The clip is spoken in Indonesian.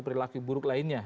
perilaku perilaku buruk lainnya